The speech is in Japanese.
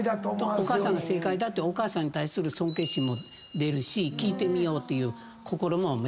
お母さんが正解だってお母さんに対する尊敬心も出るし聞いてみようっていう心も芽生えてくるしね。